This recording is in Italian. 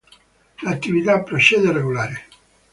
L'attività procede regolare.